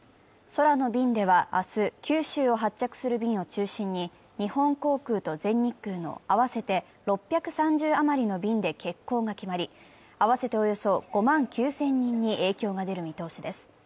空の便では明日、九州を発着する便を中心に日本航空と全日空の合わせて６３０余りの便で欠航が決まり、合わせておよそ５万９０００人に影響が出る見通しです。